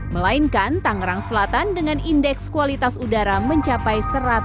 melainkan tangerang selatan dengan indeks kualitas udara mencapai satu ratus tiga puluh